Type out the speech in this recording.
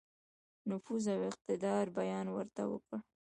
نفوذ او اقتدار بیان ورته وکړ.